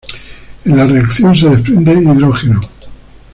En la reacción se desprende hidrógeno.